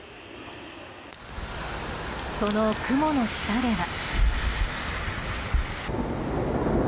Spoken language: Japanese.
その雲の下では。